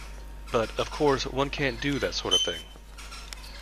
But, of course, one can't do that sort of thing.